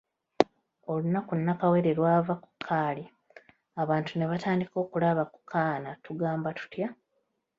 Olunaku Nakawere lw'ava ku kaali abantu ne batandika okulaba ku kaana tugamba tutya?